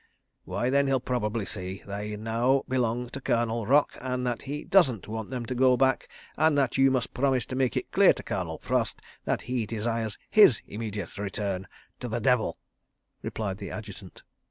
"Why then he'll probably say they now 'belong to Colonel Rock and that he doesn't want them to go back, and that you must promise to make it clear to Colonel Frost that he desires his immediate return'—to the devil," replied the Adjutant.